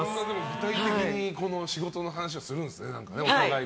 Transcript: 具体的に仕事の話をするんですね、お互い。